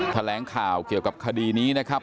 แถลงข่าวเกี่ยวกับคดีนี้นะครับ